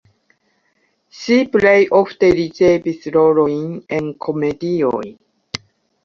Ŝi plej ofte ricevis rolojn en komedioj.